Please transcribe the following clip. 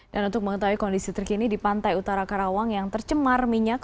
dan untuk mengetahui kondisi terkini di pantai utara karawang yang tercemar minyak